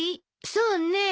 そうね。